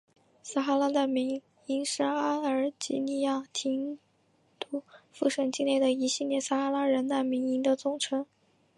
撒哈拉难民营是阿尔及利亚廷杜夫省境内的一系列撒哈拉人难民营的总称。